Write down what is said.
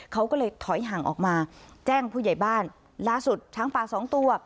เขาก็เลยถอยห่างออกมาแจ้งผู้ใหญ่บ้านล่าสุดช้างป่าสองตัว